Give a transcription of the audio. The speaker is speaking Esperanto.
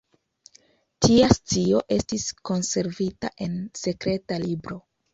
Tia scio estis konservita en sekreta libro.